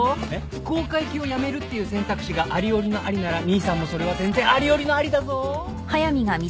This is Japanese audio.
福岡行きをやめるっていう選択肢があり寄りのありなら兄さんもそれは全然あり寄りのありだぞ？